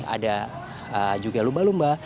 ada juga lumba lumba